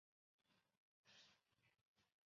殿试登进士第三甲第一百五十三名。